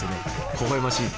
ほほ笑ましい。